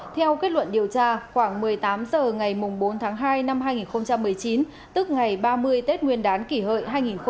theo kết luận điều tra khoảng một mươi tám h ngày bốn tháng hai năm hai nghìn một mươi chín tức ngày ba mươi tết nguyên đán kỷ hợi hai nghìn một mươi chín